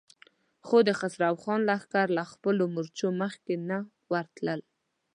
خو د خسرو خان لښکر له خپلو مورچو مخکې نه ورتلل.